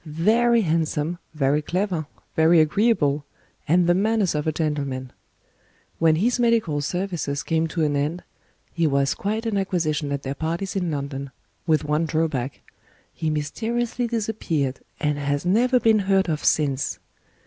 Very handsome, very clever, very agreeable, and the manners of a gentleman. When his medical services came to an end, he was quite an acquisition at their parties in London with one drawback: he mysteriously disappeared, and has never been heard of since.